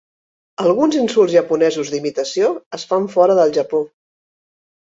Alguns insults japonesos d'imitació es fan fora del Japó.